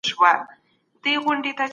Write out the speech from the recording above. دولت د خپلو عایداتو د زیاتولو هڅه کوي.